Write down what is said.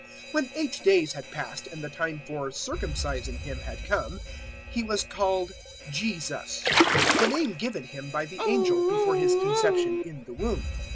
002:021 When eight days had passed and the time for circumcising Him had come, He was called JESUS, the name given Him by the angel before His conception in the womb.